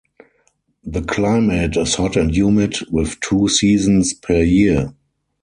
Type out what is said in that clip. The climate is hot and humid with two seasons per year.